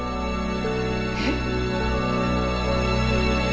えっ。